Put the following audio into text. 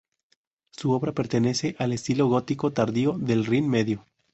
Su obra pertenece al estilo gótico tardío del Rin Medio.